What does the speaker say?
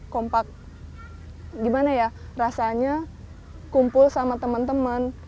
kompak gimana ya rasanya kumpul sama temen temen